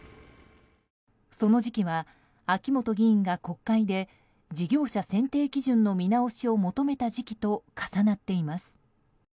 その時期は秋本議員が国会で事業者選定基準の見直しを求めた時期と重なっています。